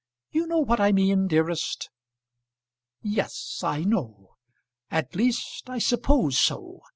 You know what I mean, dearest?" "Yes I know. At least I suppose so.